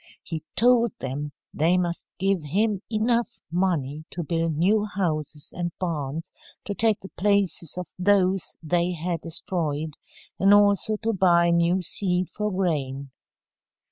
He told them they must give him enough money to build new houses and barns to take the places of those they had destroyed, and also to buy new seed for grain.